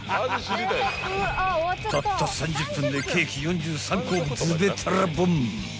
［たった３０分でケーキ４３個をずべたらぼん］